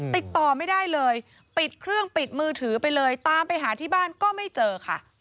ติดต่อไม่ได้เลยปิดเครื่องปิดมือถือไปเลยตามไปหาที่บ้านก็ไม่เจอค่ะ